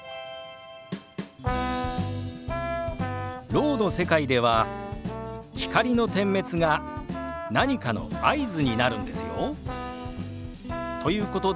ろうの世界では光の点滅が何かの合図になるんですよ。ということでここからは